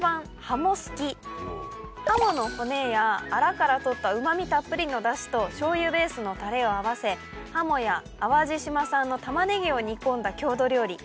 ハモの骨やアラから取ったうま味たっぷりの出汁と醤油ベースのタレを合わせハモや淡路島産の玉ねぎを煮込んだ郷土料理。